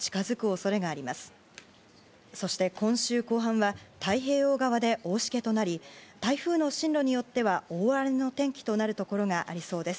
そして、今週後半は太平洋側で大しけとなり台風の進路によっては大荒れの天気となるところがありそうです。